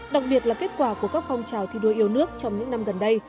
đặc biệt là kết quả của các phong trào thi đua yêu nước trong những năm gần đây